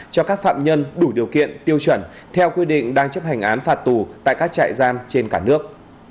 cho các phạm nhân đủ điều kiện tiêu chuẩn theo quyết định đang chấp hành án phạt tù tại các trại giam trên cảnh